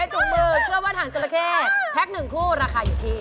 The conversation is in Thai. เป็นถุงมือเครื่องว่าถังจับเมาะแค่๑คู่ราคาอยู่ที่